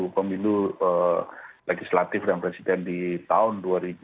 pemilu legislatif dan presiden di tahun dua ribu dua puluh